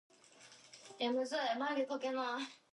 Influenza affects both the upper and lower respiratory tracts.